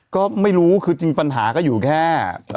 ก็ไม่รู้คือจริงปัญหาก็อยู่แค่